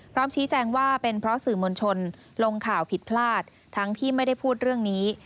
พร้อมชี้แจงว่าเป็นเพราะสื่อมวลชนลงข่าวผิดพลาดทั้งที่ไม่ได้พูดเรื่องนี้